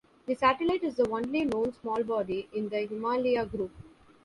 The satellite is the only known small body in the Himalia group.